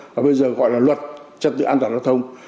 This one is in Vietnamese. và bây giờ gọi là luật trật tự an toàn giao thông